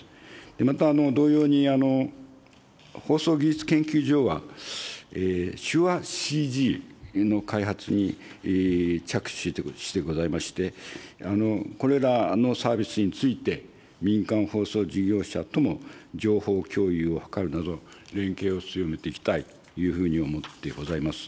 また同様に、放送技術研究所は、手話ＣＧの開発に着手してございまして、これらのサービスについて、民間放送事業者とも情報共有を図るなど、連携を強めていきたいというふうに思ってございます。